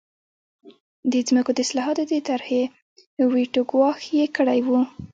د ځمکو د اصلاحاتو د طرحې ویټو ګواښ یې کړی و.